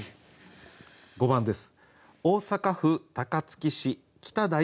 ５番です。